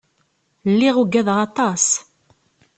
Lliɣ uggadeɣ aṭas.